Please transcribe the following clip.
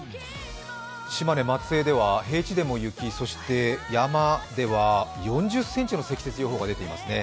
島根・松江では平地でも雪、そして山では４０ｃｍの積雪予報が出てますね。